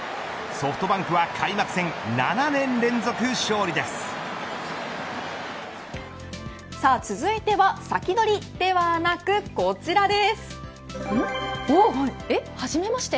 ソフトバンクは開幕戦さあ続いてはサキドリではなくはじめまして。